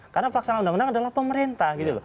karena pelaksanaan undang undang adalah pemerintah